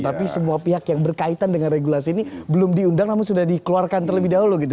tapi semua pihak yang berkaitan dengan regulasi ini belum diundang namun sudah dikeluarkan terlebih dahulu gitu